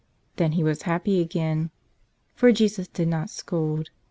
Then he was happy again. For Jesus did not scold.